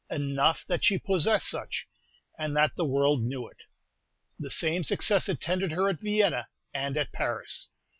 Enough that she possessed such, and that the world knew it. The same success attended her at Vienna and at Paris.